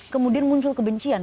kemudian muncul kebencian